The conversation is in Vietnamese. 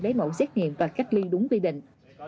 lấy mẫu xét nghiệm và cách ly đúng quy định